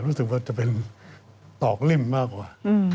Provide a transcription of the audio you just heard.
รู้สึกว่าจะเป็นตอกเล่มมากกว่า